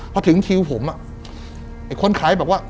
พอถึงคิวผมไอ้คนขายบอกว่า